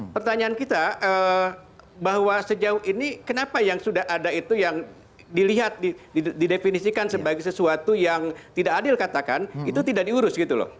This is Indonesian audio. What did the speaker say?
pertanyaan kita bahwa sejauh ini kenapa yang sudah ada itu yang dilihat didefinisikan sebagai sesuatu yang tidak adil katakan itu tidak diurus gitu loh